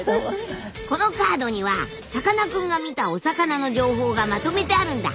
このカードにはさかなクンが見たお魚の情報がまとめてあるんだ。